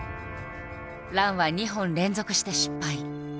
ランは２本連続して失敗。